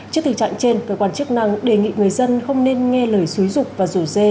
trước tình trạng trên cơ quan chức năng đề nghị người dân không nên nghe lời xúi rục và rủ dê